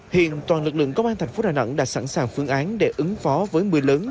hiện toàn lực lượng công an thành phố đà nẵng đã sẵn sàng phương án để ứng phó với mưa lớn